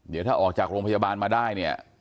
เดี๋ยวถ้าออกจากโรงพยาบาลมาได้เนี่ย